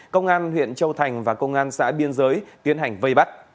công an huyện châu thành và công an xã biên giới tiến hành vây bắt